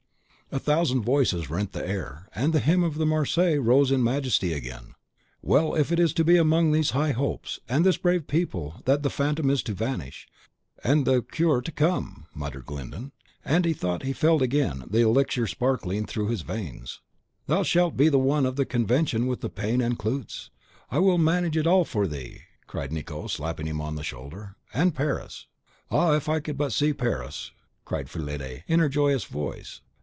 A thousand voices rent the air, and the hymn of the Marseillaise rose in majesty again. "Well, and if it be among these high hopes and this brave people that the phantom is to vanish, and the cure to come!" muttered Glyndon; and he thought he felt again the elixir sparkling through his veins. "Thou shalt be one of the Convention with Paine and Clootz, I will manage it all for thee!" cried Nicot, slapping him on the shoulder: "and Paris " "Ah, if I could but see Paris!" cried Fillide, in her joyous voice.